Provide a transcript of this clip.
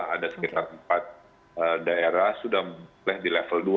ada sekitar empat daerah sudah mulai di level dua